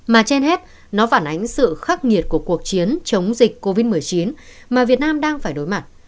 mà trên hết nó phản ánh sự khắc nghiệt của cuộc chiến chống dịch covid một mươi chín mà việt nam đang phải đối mặt